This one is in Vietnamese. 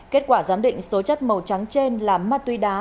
kết quả giám định số chất màu trắng trên là ma túy đá